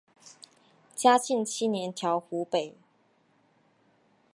嘉庆七年调湖北。